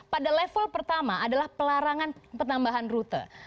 pada level pertama adalah pelarangan penambahan rute